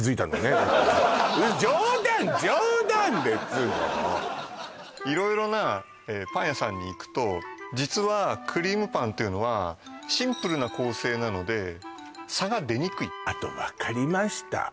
もう色々なパン屋さんに行くと実はクリームパンっていうのはシンプルな構成なので差が出にくいあと分かりました